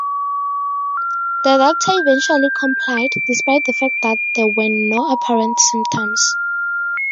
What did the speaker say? The doctor eventually complied, despite the fact that there were no apparent symptoms.